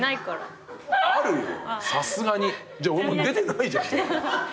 じゃあ俺出てないじゃん。